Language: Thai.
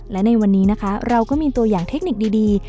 และในวันนี้นะคะเราก็มีตัวอย่างเทคนิคดี